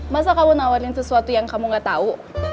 masa kamu nawarin sesuatu yang kamu gak tahu